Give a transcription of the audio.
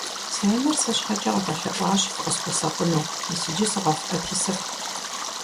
Си анэр сэр щхьэкӀэ къывэлъэӀуащ, фыкъысхуэсакъыну. Мис иджы сыкъэфӀэти сыфхь.